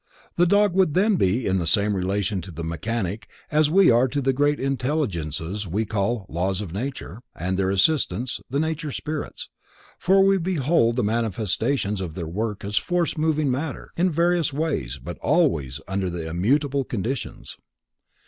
The dog would then be in the same relation to the mechanic as we are to the great intelligences we call laws of nature, and their assistants, the nature spirits, for we behold the manifestations of their work as force moving matter in various ways but always under immutable conditions.